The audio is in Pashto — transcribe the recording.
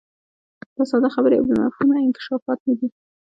دا ساده خبرې او بې مفهومه انکشافات نه دي.